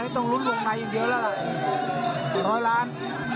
ต้องลุ้นวงในอย่างเดียวแล้วล่ะร้อยล้าน